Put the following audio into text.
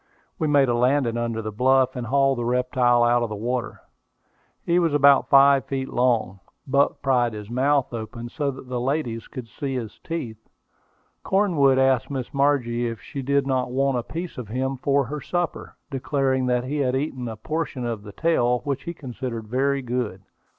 We made a landing under the bluff, and hauled the reptile out of the water. He was about five feet long. Buck pried his mouth open, so that the ladies could see his teeth. Cornwood asked Miss Margie if she did not want a piece of him for her supper, declaring that he had eaten a portion of the tail, which he considered very good.